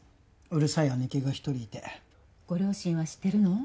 うるさい姉貴が１人いてご両親は知ってるの？